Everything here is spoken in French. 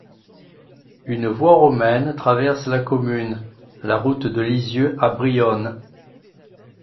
Une voie romaine traverse la commune, la route de Lisieux à Brionne.